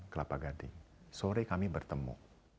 kelapa gading sore kami bertemu